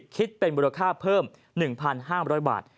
คิดเป็นมูลค่าเพิ่ม๑๕๐๐บาท